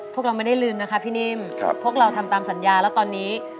พวกเราไม่ได้ลืมนะคะพี่นิ่มพวกเราทำตามสัญญาแล้วตอนนี้